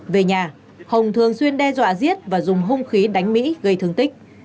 về nhà hồng thường xuyên đe dọa giết và dùng hung khí đánh mỹ gây thương tích